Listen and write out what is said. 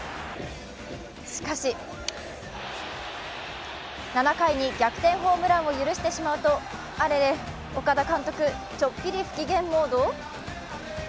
しかし、７回に逆転ホームランを許してしまうとあれれ、岡田監督、ちょっぴり不機嫌モード。